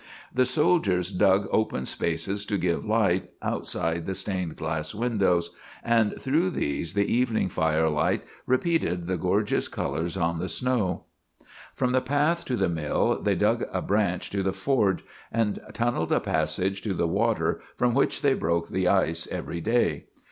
The soldiers dug open spaces to give light, outside the stained glass windows, and through these the evening firelight repeated the gorgeous colors on the snow. From the path to the mill they dug a branch to the forge, and tunneled a passage to the water, from which they broke the ice every day.